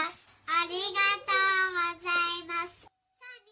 ありがとうございます。